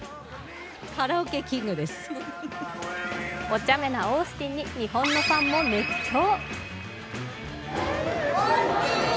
お茶目なオースティンに日本のファンも熱狂。